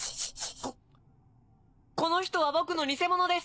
ここの人は僕の偽者です！